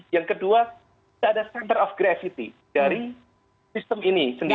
yang kedua tidak ada center of gravity dari sistem ini sendiri